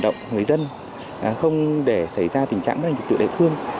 vận động người dân không để xảy ra tình trạng mất an ninh trật tự đại thương